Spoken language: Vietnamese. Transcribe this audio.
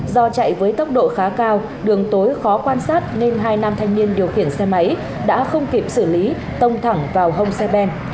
do chạy với tốc độ khá cao đường tối khó quan sát nên hai nam thanh niên điều khiển xe máy đã không kịp xử lý tông thẳng vào hông xe ben